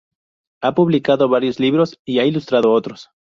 Ha publicado varios libros y ha ilustrado otros.